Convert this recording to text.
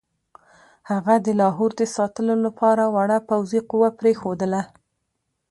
هغه د لاهور د ساتلو لپاره وړه پوځي قوه پرېښودله.